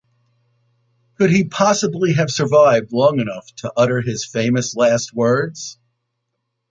Could he possibly have survived long enough to utter his famous last words?